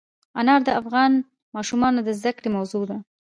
انار د افغان ماشومانو د زده کړې موضوع ده.